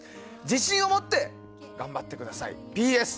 自信を持って頑張ってください。